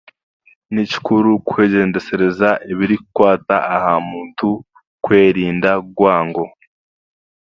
Ni kikuru kw'egyendesereza ebiri kukwata aha muntu kwerinda rwango.